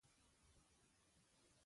ملګری د ازمېښتو ملګری وي